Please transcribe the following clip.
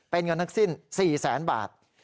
เป็นเงินนักสิ้น๔๐๐๐๐๐บาท